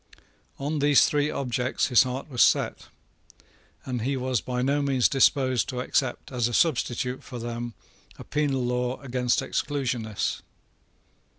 On these three objects his heart was set; and he was by no means disposed to accept as a substitute for them a penal law against Exclusionists.